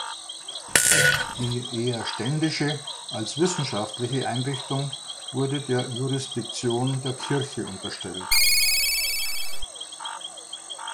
Die eher ständische als wissenschaftliche Einrichtung wurde der Jurisdiktion der Kirche unterstellt.